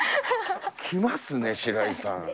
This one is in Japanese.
きますね、白井さん。